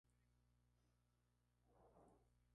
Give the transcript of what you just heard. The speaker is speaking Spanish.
Sin embargo, Helder fue detenido antes de lograr terminarla.